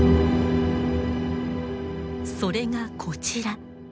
それがこちら。